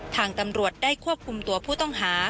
ทางตำรวจได้ควบคุมตัวผู้ต้องหา